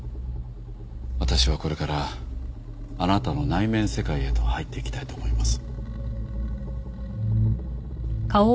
私はこれからあなたの内面世界へと入っていきたいと思います。